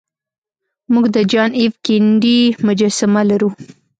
موږ د جان ایف کینیډي مجسمه لرو